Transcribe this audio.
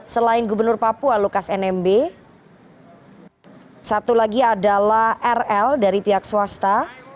selain gubernur papua lukas nmb satu lagi adalah rl dari pihak swasta